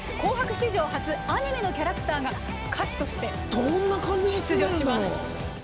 史上初アニメのキャラクターが歌手として出場します。